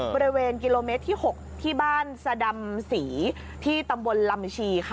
บริเวณกิโลเมตรที่๖ที่บ้านสดำศรีที่ตำบลลำชีค่ะ